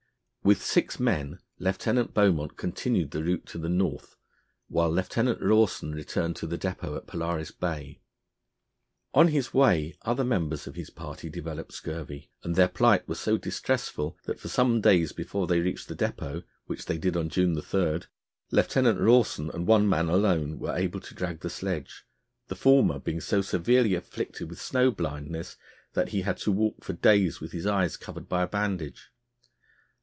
With six men Lieutenant Beaumont continued the route to the North, while Lieutenant Rawson returned to the depôt at Polaris Bay. On his way other members of his party developed scurvy, and their plight was so distressful that for some days before they reached the depôt, which they did on June 3, Lieutenant Rawson and one man alone were able to drag the sledge, the former being so severely afflicted with snow blindness that he had to walk for days with his eyes covered by a bandage.